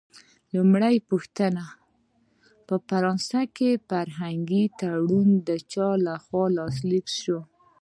لومړۍ پوښتنه: په فرانسه کې فرهنګي تړون د چا له خوا لاسلیک شو؟